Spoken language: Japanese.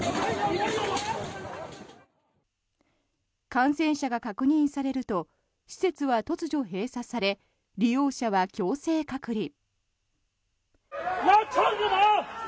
感染者が確認されると施設は突如閉鎖され利用者は強制隔離。